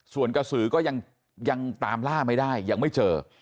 ส่วนกระสือก็ยังตามล่าไม่ได้ยังไม่เจอ